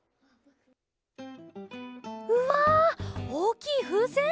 うわおおきいふうせん？